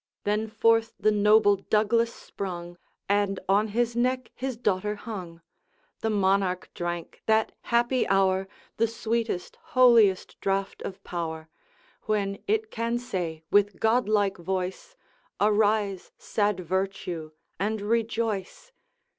Then forth the noble Douglas sprung, And on his neck his daughter hung. The Monarch drank, that happy hour, The sweetest, holiest draught of Power, When it can say with godlike voice, Arise, sad Virtue, and rejoice!